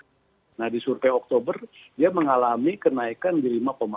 tapi survei oktober dia mengalami kenaikan di lima empat